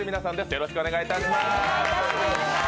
よろしくお願いします。